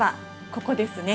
ここですね。